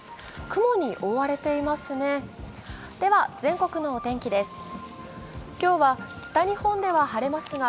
雲に覆われていますね。